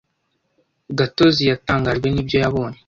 Gatozi yatangajwe nibyo yabonye.